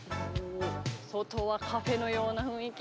外はカフェのような雰囲気。